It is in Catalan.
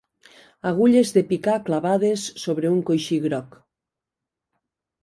Agulles de picar clavades sobre un coixí groc